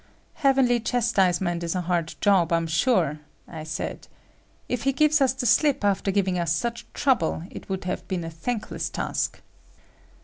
"Heavenly chastisement is a hard job, I'm sure," I said. "If he gives us the slip after giving us such trouble, it would have been a thankless task."